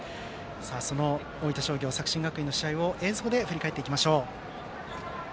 その大分商業作新学院の試合を映像で振り返っていきましょう。